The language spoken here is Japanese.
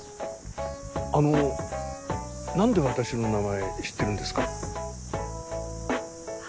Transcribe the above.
あの何で私の名前知ってるんですか？